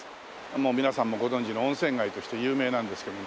もう皆さんもご存じの温泉街として有名なんですけども。